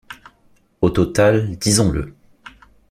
Au total, disons-le